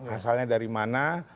asalnya dari mana